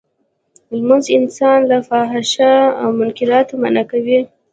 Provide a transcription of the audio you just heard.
لمونځ انسان له فحشا او منکراتو منعه کوی.